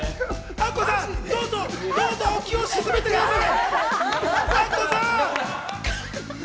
アッコさん、どうぞお気を沈めてください。